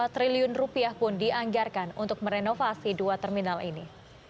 dua puluh triliun rupiah pun dianggarkan untuk merenovasi dua terminal ini